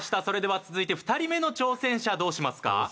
それでは続いて２人目の挑戦者どうしますか？